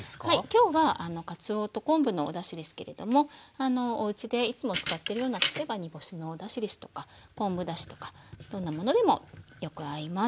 今日はかつおと昆布のおだしですけれどもおうちでいつも使ってるような例えば煮干しのおだしですとか昆布だしとかどんなものでもよく合います。